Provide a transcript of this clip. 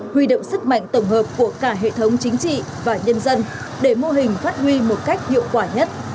huy động sức mạnh tổng hợp của cả hệ thống chính trị và nhân dân để mô hình phát huy một cách hiệu quả nhất